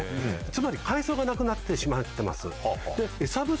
つまり海藻がなくなってしまってます。